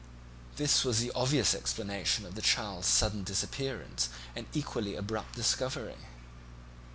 This was the obvious explanation of the child's sudden disappearance and equally abrupt discovery.